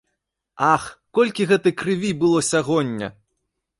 Ах, колькі гэтай крыві было сягоння!